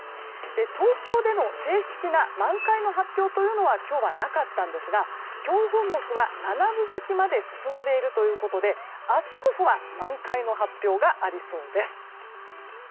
東京での正式な満開の発表というのは今日はなかったんですが標本木は７分咲きまで進んでいるということで明日こそは満開の発表がありそうです。